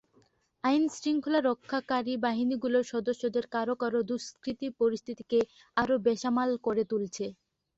আইনশৃঙ্খলা রক্ষাকারী বাহিনীগুলোর সদস্যদের কারও কারও দুষ্কৃতি পরিস্থিতিকে আরও বেসামাল করে তুলছে।